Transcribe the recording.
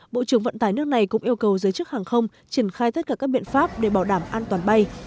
bộ trưởng vận tải nước này cũng yêu cầu giới chức hàng không triển khai tất cả các biện pháp để bảo đảm an toàn bay